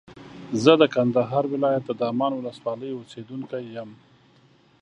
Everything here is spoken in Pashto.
زه د کندهار ولایت د دامان ولسوالۍ اوسېدونکی یم.